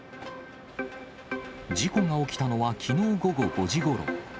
事故が起きたのはきのう午後５時ごろ。